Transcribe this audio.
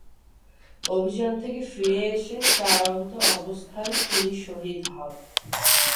অভিযান থেকে ফিরে এসে তার আহত অবস্থায় তিনি শহীদ হন।